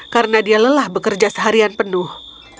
karena dia lelah bekerja seharian penuh